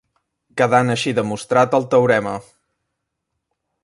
Quedant així demostrat el teorema.